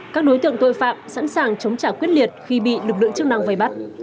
các đối tượng tội phạm sẵn sàng chống trả quyết liệt khi bị lực lượng chức năng vây bắt